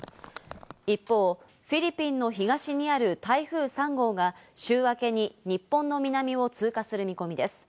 一方、フィリピンの東にある台風３号が週明けに日本の南を通過する見込みです。